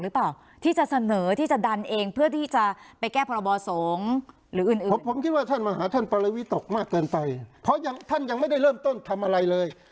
ที่จะเสนอที่จะดันเองเพื่อที่จะไปแก้พรบสงฆ์หรืออื่นเพราะผมคิดว่าท่านมาหาท่านปรวิตกมากเกินไปเพราะยังท่านยังไม่ได้เริ่มต้นทำอะไรเลย